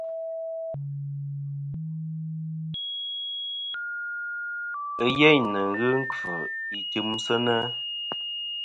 Ɨyêyn nɨ̀n ghɨ nkfɨ i timsɨnɨ.